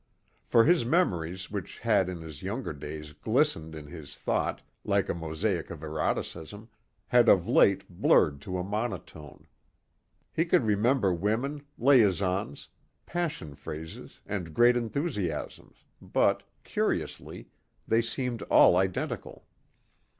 For his memories which had in his younger days glistened in his thought like a mosaic of eroticism, had of late blurred to a monotone. He could remember women, liaisons, passion phrases and great enthusiasms but, curiously, they seemed all identical.